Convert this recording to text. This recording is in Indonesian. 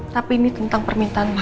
tapi ini tentang permintaan maaf